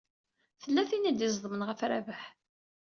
Tella tin i d-iẓeḍmen ɣef Rabaḥ.